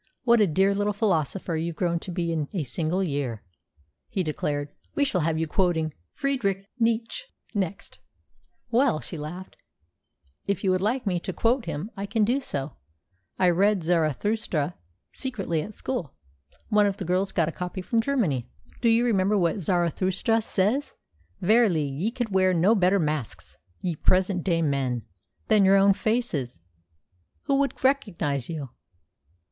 "What a dear little philosopher you've grown to be in a single year!" he declared. "We shall have you quoting Friedrich Nietzsche next." "Well," she laughed, "if you would like me to quote him I can do so. I read Zarathustra secretly at school. One of the girls got a copy from Germany. Do you remember what Zarathustra says: 'Verily, ye could wear no better masks, ye present day men, than your own faces,' Who could recognise you?"